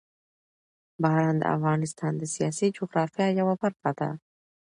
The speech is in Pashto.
باران د افغانستان د سیاسي جغرافیه یوه برخه ده.